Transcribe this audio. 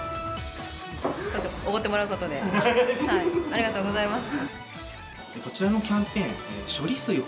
おごってもらうことで、ありがとうございます。